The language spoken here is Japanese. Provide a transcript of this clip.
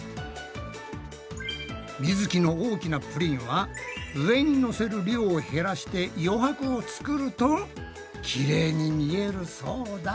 みづきの大きなプリンは上にのせる量を減らして余白を作るときれいに見えるそうだ。